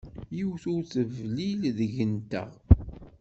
Yiwet ur teblil deg-nteɣ.